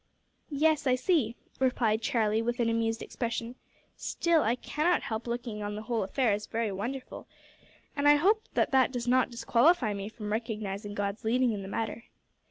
"Yes, I see," replied Charlie, with an amused expression; "still I cannot help looking on the whole affair as very wonderful, and I hope that that does not disqualify me from recognising God's leading in the matter."